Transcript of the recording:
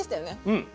うん。